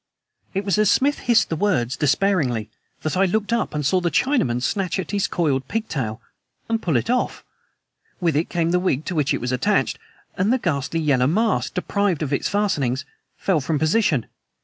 It was as Smith hissed the words despairingly that I looked up and saw the Chinaman snatch at his coiled pigtail and pull it off! With it came the wig to which it was attached; and the ghastly yellow mask, deprived of its fastenings, fell from position!